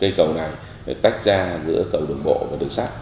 cây cầu này phải tách ra giữa cầu đường bộ và đường sắt